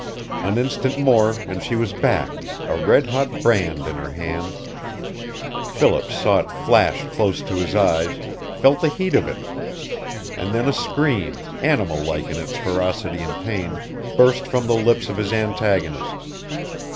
An instant more and she was back, a red hot brand in her hand. Philip saw it flash close to his eyes, felt the heat of it; and then a scream, animal like in its ferocity and pain, burst from the lips of his antagonist.